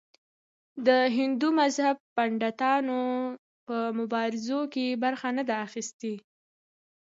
د هندو مذهب پنډتانو په مبارزو کې برخه نه ده اخیستې.